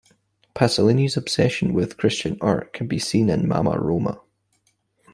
Pasolini's obsession with Christian art can be seen in "Mamma Roma".